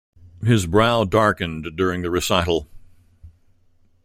His brow darkened during the recital.